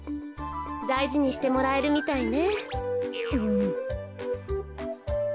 だいじにしてもらえるみたいね。